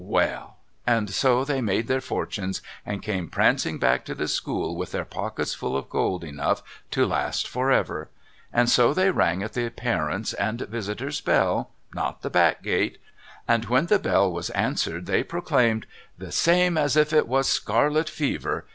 Well ! And so they made their fortunes and came prancing back to the school, with their pockets full of gold, enough to last for ever. And so they rang at the parents' and visitors' bell (not the back gate), and when the bell was answered they proclaimed " The same as if it was scarlet fever